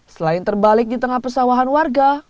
selain terbalik di tengah persawahan warga